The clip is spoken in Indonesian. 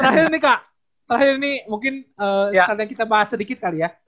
terakhir nih kak terakhir nih mungkin sekarang kita bahas sedikit kali ya